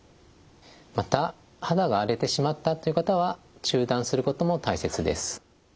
また肌が荒れてしまったっていう方は中断することも大切です。